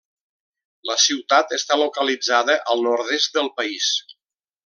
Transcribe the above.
La ciutat està localitzada al nord-est del país.